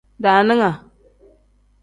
Daaninga.